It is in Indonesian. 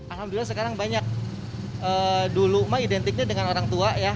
alhamdulillah banyak anaknya dulu identik dengan orang tua